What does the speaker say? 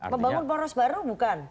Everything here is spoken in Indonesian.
membangun boros baru bukan